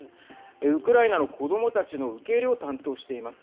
ウクライナの子どもたちの受け入れを担当しています。